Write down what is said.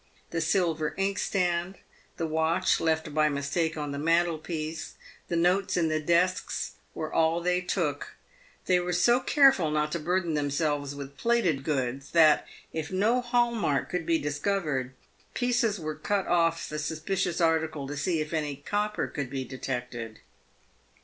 The silver inkstand, the watch lefb by mistake on the mantelpiece, the notes in the desks, were all they took. They were so careful not to burden themselves with plated goods, that, if no hall mark could be discovered, pieces were cut off the sus picious article to see if any copper could be detected.